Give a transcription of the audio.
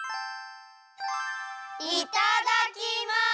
いただきます！